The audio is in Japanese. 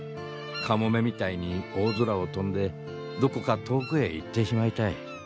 カモメみたいに大空を飛んでどこか遠くへ行ってしまいたい。